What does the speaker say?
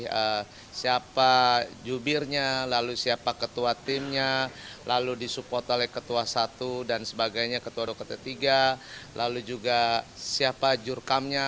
siapa jubirnya lalu siapa ketua timnya lalu disupport oleh ketua satu dan sebagainya ketua dpt tiga lalu juga siapa jurkamnya